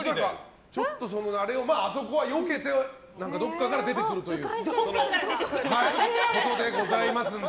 あそこはよけてどこかから出てくるということでございますので。